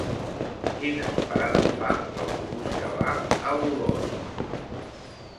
Quines parades fa l'autobús que va a Olost?